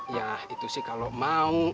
ya itu sih kalau mau